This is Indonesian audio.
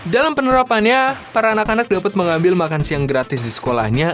dalam penerapannya para anak anak dapat mengambil makanan siang gratis dari amerika serikat